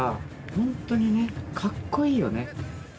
本当にねかっこいいよね。